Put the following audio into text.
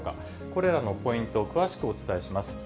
これらのポイントを詳しくお伝えします。